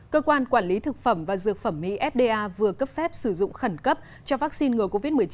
cơ quan quản lý thực phẩm và dược phẩm mỹ fda vừa cấp phép sử dụng khẩn cấp cho vaccine ngừa covid một mươi chín